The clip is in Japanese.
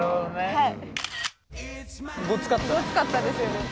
はい。